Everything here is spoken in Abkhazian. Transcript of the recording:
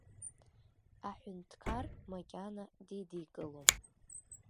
Аҳәынҭқар макьана дидикылом.